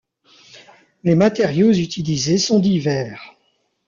Les matériaux utilisés sont divers.